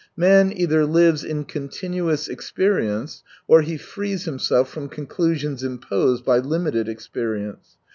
Man either lives in continuous experience, or he frees himself from conclusions imposed by limited experience.